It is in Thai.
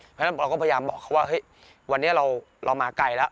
เพราะฉะนั้นเราก็พยายามบอกเขาว่าเฮ้ยวันนี้เรามาไกลแล้ว